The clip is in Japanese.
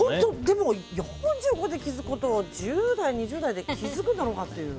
４５で気づくことを１０代、２０代で気づくんだろうかという。